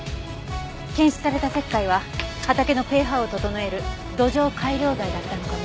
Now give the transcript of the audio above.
検出された石灰は畑のペーハーを整える土壌改良剤だったのかも。